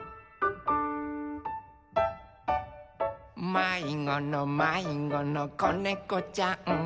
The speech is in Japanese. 「まいごのまいごのこねこちゃん」